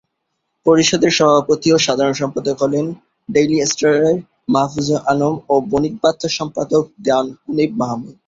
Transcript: পরিষদের সভাপতি ও সাধারণ সম্পাদক হলেন ডেইলি স্টারের মাহফুজ আনাম ও বণিক বার্তা সম্পাদক দেওয়ান হানিফ মাহমুদ।